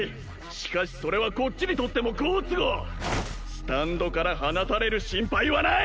しかしそれはこっちにとっても好都合スタンドから放たれる心配はない！